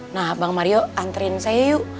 nah bang mario antrin saya yuk